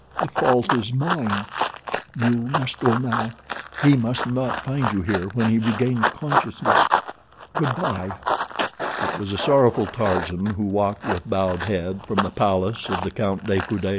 The fault is mine. You must go now—he must not find you here when he regains consciousness. Good by." It was a sorrowful Tarzan who walked with bowed head from the palace of the Count de Coude.